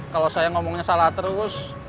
kalau saya ngomongnya salah terus